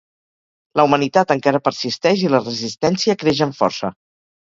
La humanitat encara persisteix i la Resistència creix amb força.